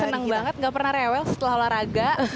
senang banget gak pernah rewel setelah olahraga